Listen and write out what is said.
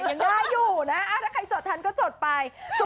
ยังน่าอยู่นะถ้าใครจดทันก็จดไป